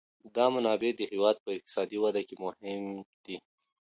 دا منابع د هېواد په اقتصادي وده کي مهم دي.